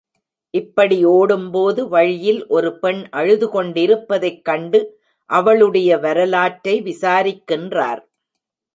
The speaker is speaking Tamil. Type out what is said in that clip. இப்படி ஓடும்போது வழியில் ஒரு பெண் அழுதுகொண்டிருப்பதைக் கண்டு அவளுடைய வரலாற்றை விசாரிக்கின்றார்.